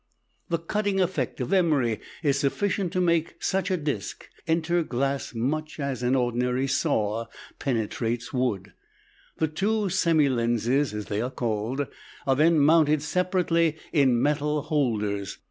The cutting effect of emery is sufficient to make such a disk enter glass much as an ordinary saw penetrates wood. The two "semi lenses," as they are called, are then mounted separately in metal holders.